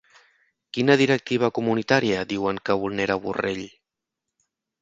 Quina directiva comunitària diuen que vulnera Borrell?